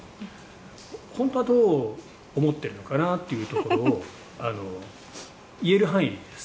「本当はどう思っているのかな？っていうところを言える範囲でいいです」